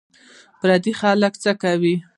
پردي خلک څه کوې